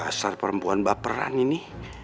dah asal perempuan baperan ini